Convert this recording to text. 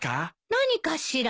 何かしら。